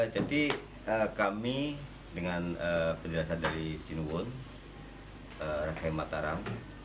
jadi kami dengan pendirian dari sinuwun rakhay mataram